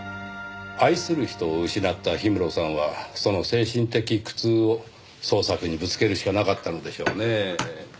愛する人を失った氷室さんはその精神的苦痛を創作にぶつけるしかなかったのでしょうねぇ。